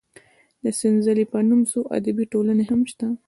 د سنځلې په نوم څو ادبي ټولنې هم شته.